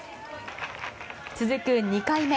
続く２回目。